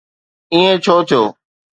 ائين ڇو ٿيو؟